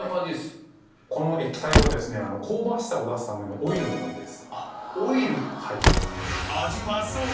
この液体は香ばしさを出すためのオイルなんです。